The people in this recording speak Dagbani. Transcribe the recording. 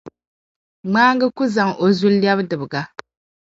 Ŋmaaŋa ku zaŋ o zuli n-lɛbi dibiga.